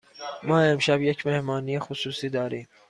ما امشب یک مهمانی خصوصی داریم.